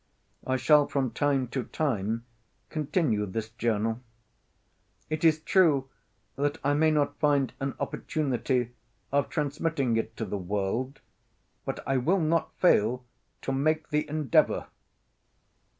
I shall from time to time continue this journal. It is true that I may not find an opportunity of transmitting it to the world, but I will not fall to make the endeavour.